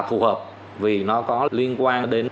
phù hợp vì nó có liên quan đến